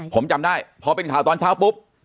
ผมจำได้พอเป็นข่าวตอนเช้าปุ๊บ